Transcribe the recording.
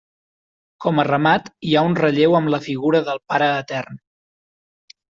Com a remat hi ha un relleu amb la figura del Pare Etern.